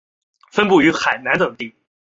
分布于海南等地。